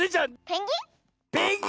ペンギン？